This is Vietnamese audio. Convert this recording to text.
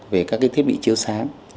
về các thiết bị chiếu sáng